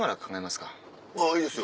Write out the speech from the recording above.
いいですよ。